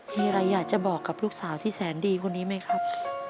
มีอะไรอยากจะบอกกับลูกสาวที่แสนดีคนนี้ไหมครับ